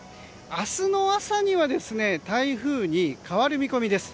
明日の朝には台風に変わる見込みです。